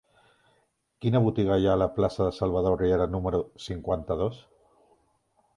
Quina botiga hi ha a la plaça de Salvador Riera número cinquanta-dos?